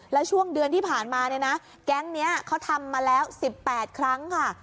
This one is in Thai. แล้วช่วงเดือนที่ผ่านมาเนี่ยนะแก๊งนี้เขาทำมาแล้ว๑๘ครั้งค่ะ